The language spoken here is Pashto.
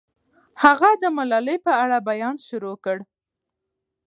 هغه د ملالۍ په اړه بیان شروع کړ.